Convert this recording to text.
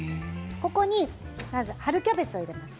ここにまず春キャベツを入れます。